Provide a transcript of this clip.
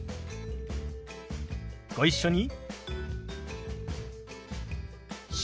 ご一緒に。